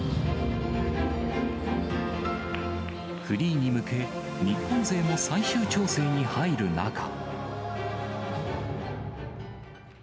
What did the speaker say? フリーに向け、日本勢も最終調整に入る中。